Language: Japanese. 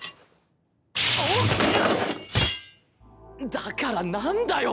だから何だよ？